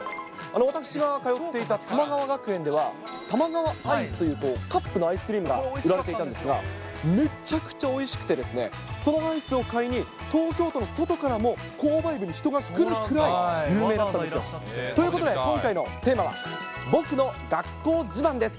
私が通っていた玉川学園では、たまがわアイスという、カップのアイスクリームが売られていたんですが、めっちゃくちゃおいしくてですね、このアイスを買いに、東京都の外からも購買部に人が来るぐらい、有名だったんですよ。ということで、今回のテーマは、僕の学校自慢です。